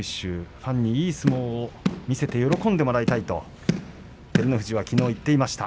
ファンにいい相撲を見せて喜んでもらいたいと照ノ富士はきのう言ってました。